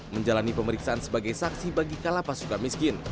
menjalani pemeriksaan sebagai saksi bagi kalapas suka miskin